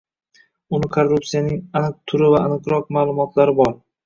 uni korrupsiyaning aniq turi va aniqroq maʼlumotlari bor.